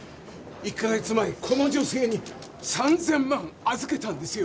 １カ月前この女性に３０００万預けたんですよ。